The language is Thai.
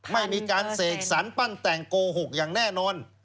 ไม่มีการเสกสรรปั้นแต่งโกหกอย่างแน่นอน